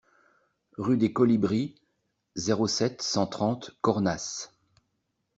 Rue des Colibris, zéro sept, cent trente Cornas